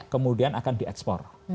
kemudian akan diekspor